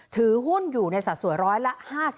ถือหุ้นอยู่ในสัดส่วนร้อยละ๕๐